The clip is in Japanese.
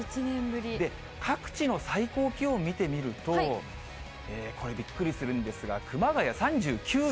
各地の最高気温を見てみると、これ、びっくりするんですが、３９度。